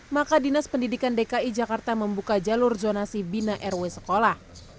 maka dinas pendidikan dki jakarta membuka jalur zonasi bina rw sekolah